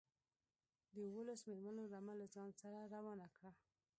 د اوولس مېرمنو رمه له ځان سره روانه کړه.